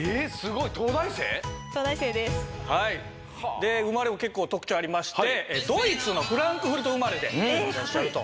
で生まれも結構特徴ありましてドイツのフランクフルト生まれでいらっしゃると。